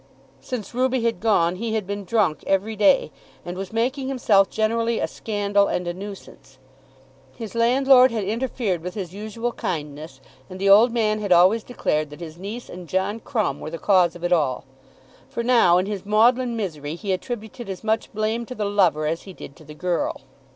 Since Ruby had gone he had been drunk every day, and was making himself generally a scandal and a nuisance. His landlord had interfered with his usual kindness, and the old man had always declared that his niece and John Crumb were the cause of it all; for now, in his maudlin misery, he attributed as much blame to the lover as he did to the girl.